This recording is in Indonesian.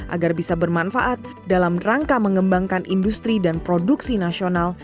agar bisa bermanfaat dalam rangka mengembangkan industri dan produksi nasional